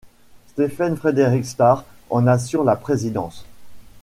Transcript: Stephen Frederick Starr en assure la présidence.